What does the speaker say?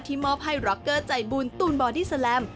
มอบให้ร็อกเกอร์ใจบุญตูนบอดี้แลม